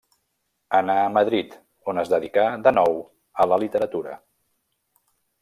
Anà a Madrid, on es dedicà de nou a la literatura.